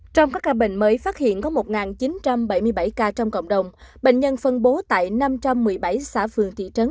trong các ca bệnh mới phát hiện có một chín trăm bảy mươi bảy ca trong cộng đồng bệnh nhân phân bố tại năm trăm một mươi bảy xã phường thị trấn